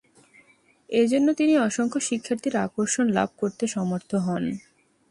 এজন্য তিনি অসংখ্য শিক্ষার্থীর আকর্ষণ লাভ করতে সমর্থ হন।